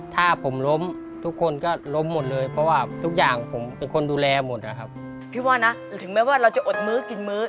ถึงแม้ว่าเราจะอดมือกินมือ